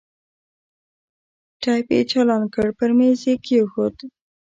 ټېپ يې چالان کړ پر ميز يې کښېښود.